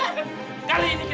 ya sudahws menerima ini